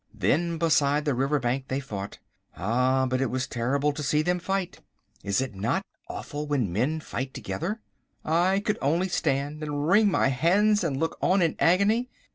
Then beside the river bank they fought. Ah! but it was terrible to see them fight. Is it not awful when men fight together? I could only stand and wring my hands and look on in agony!